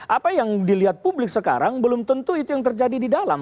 apa yang dilihat publik sekarang belum tentu itu yang terjadi di dalam